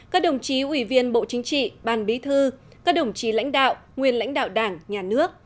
các đồng chí ủy viên bộ chính trị ban bí thư các đồng chí lãnh đạo nguyên lãnh đạo đảng nhà nước